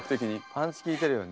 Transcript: パンチ効いてるよね。